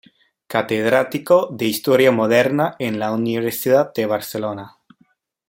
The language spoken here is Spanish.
Catedrático de Historia Moderna en la Universidad de Barcelona.